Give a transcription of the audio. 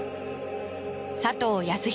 佐藤康弘